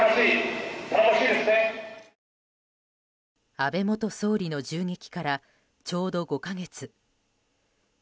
安倍元総理の銃撃からちょうど５か月。